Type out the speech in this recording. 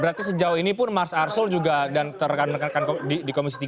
berarti sejauh ini pun mas arsul juga dan rekan rekan di komisi tiga